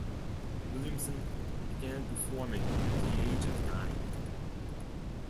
Williamson began performing at the age of nine.